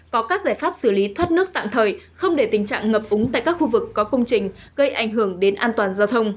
có các giải pháp xử lý thoát nước tạm thời không để tình trạng ngập úng tại các khu vực có công trình gây ảnh hưởng đến an toàn giao thông